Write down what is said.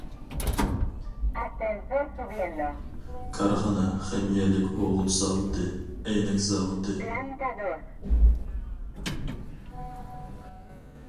كارخانا خىمىيەلىك ئوغۇت زاۋۇتى، ئەينەك زاۋۇتى.